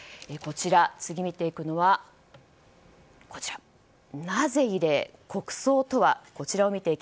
次、見ていくのはなぜ異例？